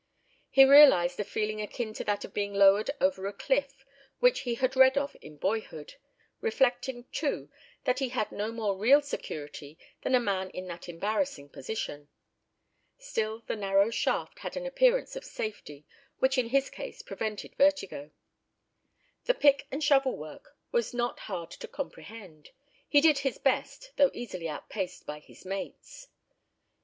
He realised a feeling akin to that of being lowered over a cliff, which he had read of in boyhood, reflecting, too, that he had no more real security than a man in that embarrassing position. Still the narrow shaft had an appearance of safety, which in his case prevented vertigo. The pick and shovel work was not hard to comprehend. He did his best, though easily outpaced by his mates.